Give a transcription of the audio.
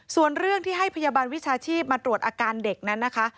ส่วนเรื่องที่ให้พยาบาลวิชาชีพมาตรวจอาการเด็กนั้นนะคะ